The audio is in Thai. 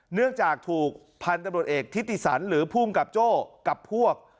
เนื่องจากถูกพันธุ์ตำรวจเอกทิติสันหรือภูมิกับโจ้กับพวก